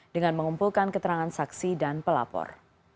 dengan mengumpulkan keterangan saksi dan pelapor